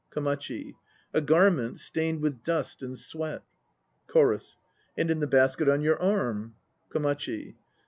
KOMACHI. A garment stained with dust and sweat. CHORUS. And in the basket on your arm? KOMACHI.